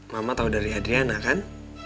mama tahu dari adriana kan